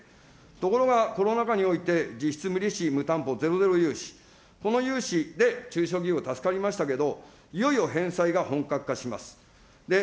ところがコロナ禍において、実質無利子・無担保、ゼロゼロ融資、この融資で中小企業は助かりましたけれども、いよいよ返済が本格化します。